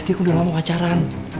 dia udah lama pacaran